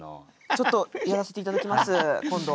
ちょっとやらせて頂きます今度。